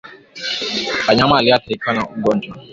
Wanyama walio athirika na ugonjwa